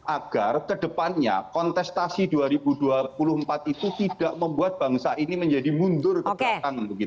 agar kedepannya kontestasi dua ribu dua puluh empat itu tidak membuat bangsa ini menjadi mundur ke belakang